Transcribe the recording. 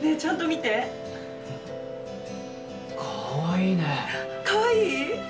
ねえちゃんと見てかわいいねかわいい？